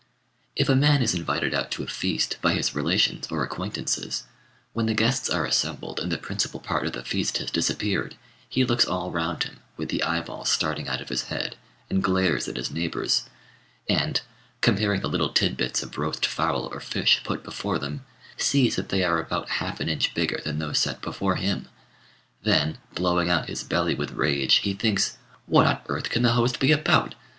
] If a man is invited out to a feast by his relations or acquaintances, when the guests are assembled and the principal part of the feast has disappeared, he looks all round him, with the eyeballs starting out of his head, and glares at his neighbours, and, comparing the little titbits of roast fowl or fish put before them, sees that they are about half an inch bigger than those set before him; then, blowing out his belly with rage, he thinks, "What on earth can the host be about?